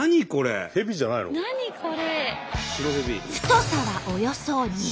太さはおよそ２ｃｍ。